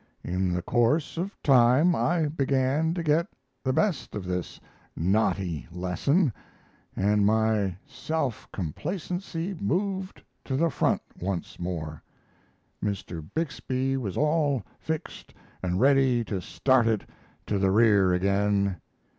In the course of time I began to get the best of this knotty lesson, and my self complacency moved to the front once more. Mr. Bixby was all fixed and ready to start it to the rear again.